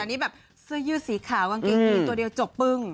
แต่นี้แบบเสื้อยู่สีขาวอังกฤษตัวเดียวจบปึ้ง